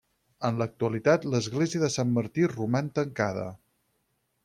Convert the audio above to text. En l'actualitat l'església de Sant Martí roman tancada.